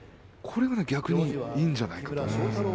これが逆にいいんじゃないかと。